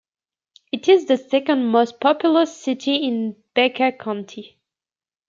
It is the second most populous city in Becker County.